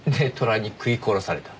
で虎に食い殺された。